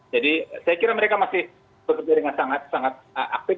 jadi saya kira mereka masih berkembang dengan sangat aktif